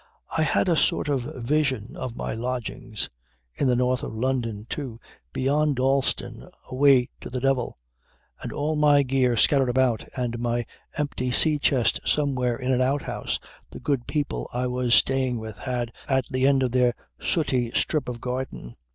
"I had a sort of vision of my lodgings in the North of London, too, beyond Dalston, away to the devil and all my gear scattered about, and my empty sea chest somewhere in an outhouse the good people I was staying with had at the end of their sooty strip of garden.